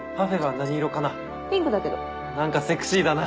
何かセクシーだな。